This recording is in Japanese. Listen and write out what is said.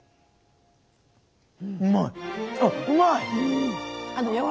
うまい。